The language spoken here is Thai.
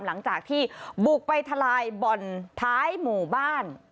หลังจากที่บุกไปทลายบ่อนท้ายหมู่บ้าน